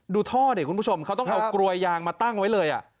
ดูท่อดิคุณผู้ชมเขาต้องเอากลวยยางมาตั้งไว้เลย